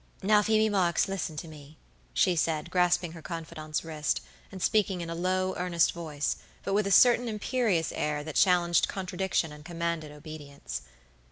"Now, Phoebe Marks, listen to me," she said, grasping her confidante's wrist, and speaking in a low, earnest voice, but with a certain imperious air that challenged contradiction and commanded obedience.